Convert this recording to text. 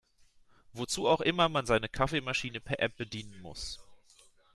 Wozu auch immer man seine Kaffeemaschine per App bedienen muss.